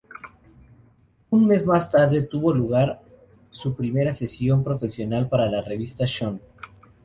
Un mes más tarde, tuvo lugar su primera sesión profesional para la revista "Swank".